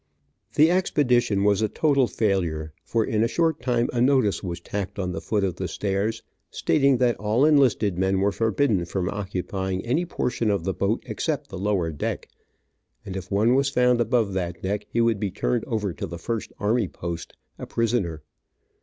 The expedition was a total failure, for in a short time a notice was tacked on the foot of the stairs, stating that all enlisted men were forbidden from occupying any portion of the boat except the lower deck, and if one was found above that deck, he would be turned over to the first army post, a prisoner.